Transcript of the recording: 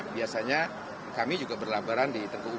biasanya kami juga berlebaran di tengku umar